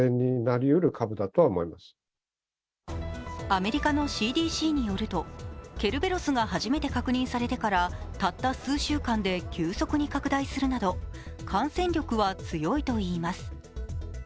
アメリカのＣＤＣによるとケルベロスが初めて確認されてからたった数週間で急速に拡大するなど感染力は強いといいます。